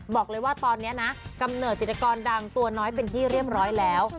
บอกเลยว่าตอนนี้นะกำเนิดจิตกรดังตัวน้อยเป็นที่เรียบร้อยแล้ว